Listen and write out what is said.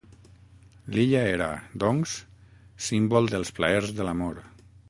L'illa era, doncs, símbol dels plaers de l'amor.